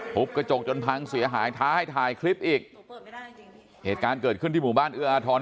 กระจกจนพังเสียหายท้าให้ถ่ายคลิปอีกเหตุการณ์เกิดขึ้นที่หมู่บ้านเอื้ออาทร